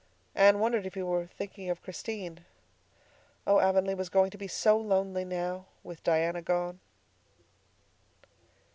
Anne wondered if he were thinking of Christine. Oh, Avonlea was going to be so lonely now—with Diana gone!